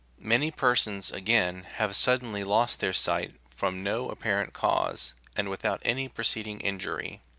Many persons, again, have suddenly lost their sight from no apparent cause, and without any preceding injury.